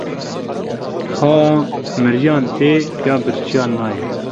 Xewa miriyan tê, ya birçiyan nayê.